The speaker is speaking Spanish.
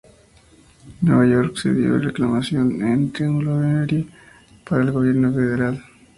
Nueva York cedió su reclamación en el Triángulo de Erie para el gobierno federal.